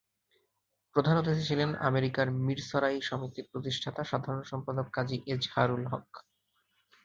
প্রধান অতিথি ছিলেন আমেরিকার মিরসরাই সমিতির প্রতিষ্ঠাতা সাধারণ সম্পাদক কাজী এজহারুল হক।